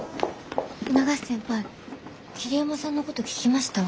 永瀬先輩桐山さんのこと聞きました？